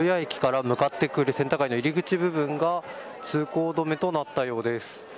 今、渋谷駅から向かってくるセンター街の入り口部分が通行止めとなったようです。